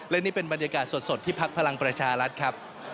และนี่เป็นบรรยากาศสดที่พักพลังประชารัฐครับ